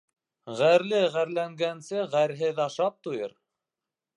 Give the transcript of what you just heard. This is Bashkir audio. Ғәрле ғәрләнгәнсе, ғәрһеҙ ашап туйыр.